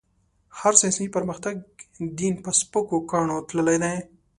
هر ساينسي پرمختګ؛ دين په سپکو کاڼو تللی دی.